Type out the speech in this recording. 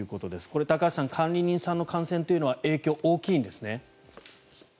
これ、高橋さん管理人さんの感染というのは影響が大きいんですね？